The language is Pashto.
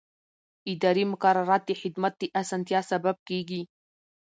اداري مقررات د خدمت د اسانتیا سبب کېږي.